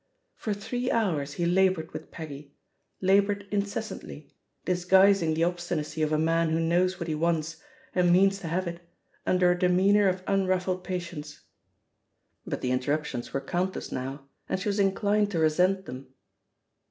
For three hours he laboured with Peggy, la boured incessantly, disguising the obstinacy of a man who knows what he wants, and means to have it, under a demeanour of unruffled patience. But the interruptions were countless now, and she was inclined to resent them.